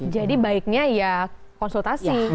jadi baiknya ya konsultasi